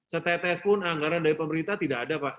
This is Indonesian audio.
setetes pun anggaran dari pemerintah tidak ada pak